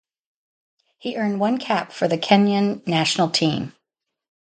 He earned one cap for the Kenyan national team.